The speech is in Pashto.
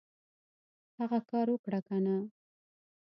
هغه کار اوکړه کنه !